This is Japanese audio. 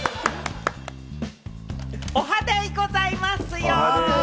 おはデイございますよ！